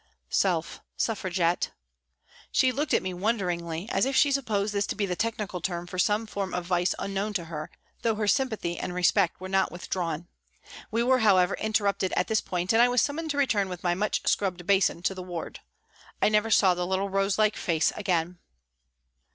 Self: "Suffragette." She SOME TYPES OF PRISONERS 133 looked at me wonderingly, as if she supposed this to be the technical term for some form of vice unknown to her, though her sympathy and respect were not withdrawn. We were, however, interrupted at this point and I was summoned to return with my much scrubbed basin to the ward. I never saw the little rose like face again.